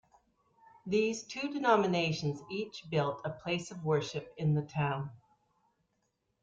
These two denominations each built a place of worship in the town.